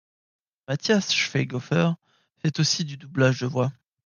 Matthias Schweighöfer fait aussi du doublage de voix.